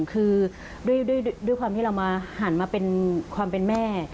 คือด้วยความที่เรามาหันมาเป็นความเป็นแม่